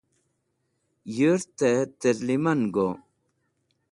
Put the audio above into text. Yũrtẽ tẽrlẽmango.